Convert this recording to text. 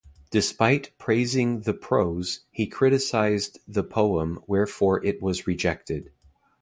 Despite praising the prose he criticized the poem wherefore it was rejected.